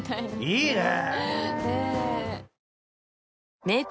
いいね！